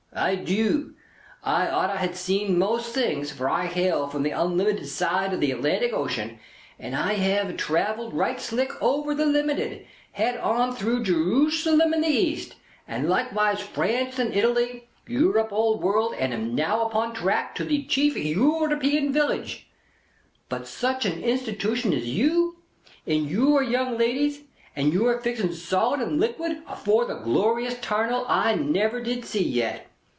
I Dew. I oughter ha' seen most things, for I hail from the Onlimited side of the Atlantic Ocean, and I haive travelled right slick over the Limited, head on through Jee rusalemm and the East, and likeways France and Italy, Europe Old World, and am now upon the track to the Chief Europian Village; but such an Institution as Yew, and Yewer young ladies, and Yewer fixin's solid and liquid, afore the glorious Tarnal I never did see yet!